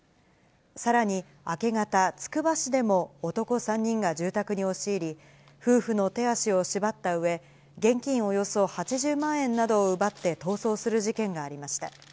さらに明け方、つくば市でも、男３人が住宅に押し入り、夫婦の手足を縛ったうえ、現金およそ８０万円などを奪って逃走する事件がありました。